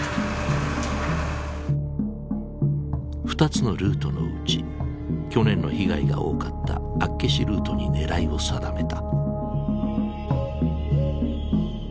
２つのルートのうち去年の被害が多かった厚岸ルートに狙いを定めた。